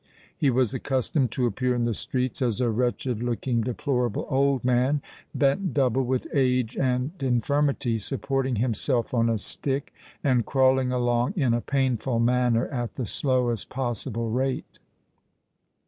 He was accustomed to appear in the streets as a wretched looking, deplorable old man, bent double with age and infirmity, supporting himself on a stick, and crawling along in a painful manner at the slowest possible rate.